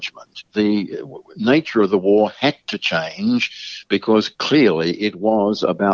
masalah masalah yang selalu berlaku